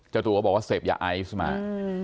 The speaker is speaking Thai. จะถูกว่าบอกว่าเสพยาไอซ์มา